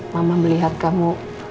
mama melihat kamu